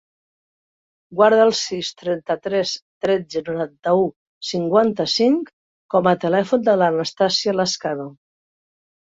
Guarda el sis, trenta-tres, tretze, noranta-u, cinquanta-cinc com a telèfon de l'Anastàsia Lazcano.